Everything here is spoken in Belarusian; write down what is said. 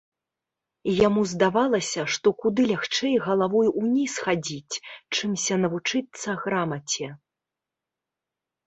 Яму здавалася, што куды лягчэй галавой уніз хадзіць, чымся навучыцца грамаце.